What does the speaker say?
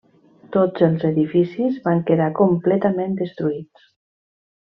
Tots els edificis van quedar completament destruïts.